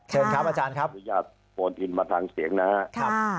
เชิญครับอาจารย์ครับอนุญาตโอนอินมาทางเสียงนะครับ